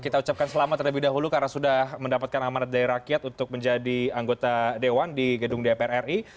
kita ucapkan selamat terlebih dahulu karena sudah mendapatkan amanat dari rakyat untuk menjadi anggota dewan di gedung dpr ri